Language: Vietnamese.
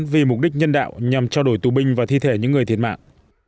vì mục đích nhân đạo nhằm trao đổi tù binh và thi thể những người thiệt mạng